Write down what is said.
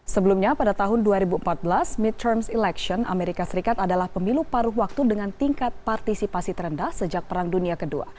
sebelumnya pada tahun dua ribu empat belas mid terms election amerika serikat adalah pemilu paruh waktu dengan tingkat partisipasi terendah sejak perang dunia ii